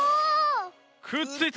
くっついた。